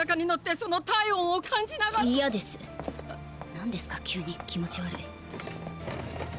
何ですか急に気持ち悪い。